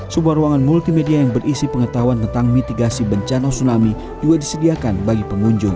sebuah ruangan multimedia yang berisi pengetahuan tentang mitigasi bencana tsunami juga disediakan bagi pengunjung